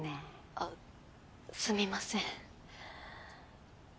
あっすみません。